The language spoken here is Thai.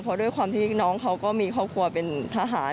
เพราะด้วยความที่น้องเขาก็มีครอบครัวเป็นทหาร